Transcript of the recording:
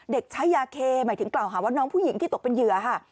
ใช้ยาเคหมายถึงกล่าวหาว่าน้องผู้หญิงที่ตกเป็นเหยื่อค่ะ